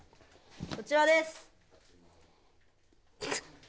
こちらです